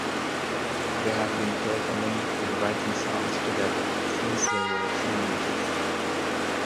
They have been performing and writing songs together since they were teenagers.